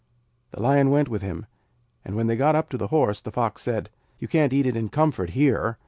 The Lion went with him, and when they got up to the Horse, the Fox said: 'You can't eat it in comfort here.